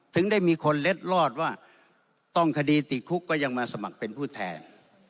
ถึงได้มีคนเล็ดรอดว่าต้องคดีติดคุกก็ยังมาสมัครเป็นผู้แทน